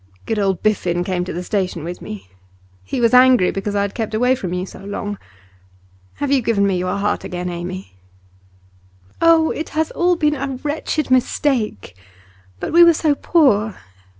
'Good old Biffen came to the station with me. He was angry because I had kept away from you so long. Have you given me your heart again, Amy?' 'Oh, it has all been a wretched mistake! But we were so poor.